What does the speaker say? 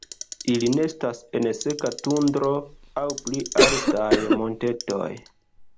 Ili nestas en seka tundro aŭ pli altaj montetoj.